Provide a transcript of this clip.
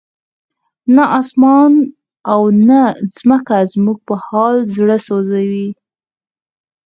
نه اسمان او نه ځمکه زموږ په حال زړه سوځوي.